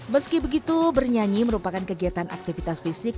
meski begitu bernyanyi merupakan kegiatan aktivitas fisik